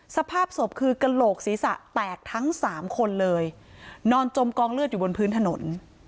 สภาพศพคือกระโหลกศีรษะแตกทั้งสามคนเลยนอนจมกองเลือดอยู่บนพื้นถนน